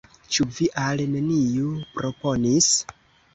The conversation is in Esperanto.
Ĉu vi al neniu proponis?